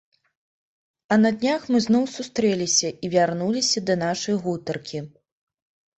А на днях мы зноў сустрэліся і вярнуліся да нашай гутаркі.